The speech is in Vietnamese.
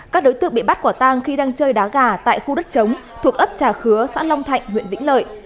các đối tượng bị bắt quả tang khi đang chơi đá gà tại khu đất chống thuộc ấp trà khứa xã long thạnh huyện vĩnh lợi